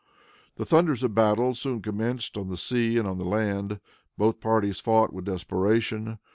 The thunders of battle soon commenced on the sea and on the land. Both parties fought with desperation.